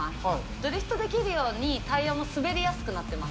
ドリフトできるようにタイヤも滑りやすくなってます。